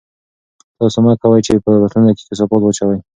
تاسو مه کوئ چې په فصلونو کې کثافات واچوئ.